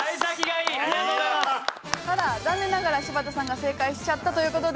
ただ残念ながら柴田さんが正解しちゃったという事で。